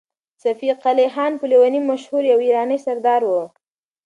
صفي قلي خان په لېوني مشهور يو ایراني سردار و.